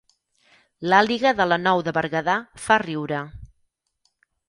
L'àliga de la Nou de Berguedà fa riure